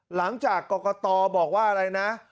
หลังจากกรกตบอกว่าอะไรนะ